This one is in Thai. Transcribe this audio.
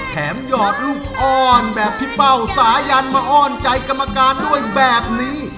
หยอดลูกอ้อนแบบพี่เป้าสายันมาอ้อนใจกรรมการด้วยแบบนี้